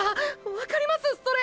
わかりますそれ。